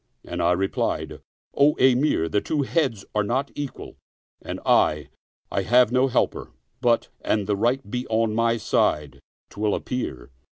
and I replied, "O Emir, the two heads are not equal, and I, I have no helper; but, an the right be on my side 'twill appear."